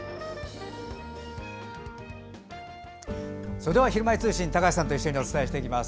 それでは「ひるまえ通信」高橋さんと一緒にお伝えしていきます。